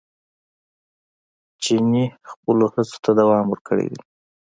چیني خپلو هڅو ته دوام ورکړی دی.